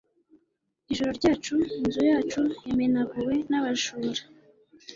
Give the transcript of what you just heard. Ijoro ryacu inzu yacu yamenaguwe n’abajura